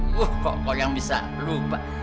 wuh kok kol yang bisa lupa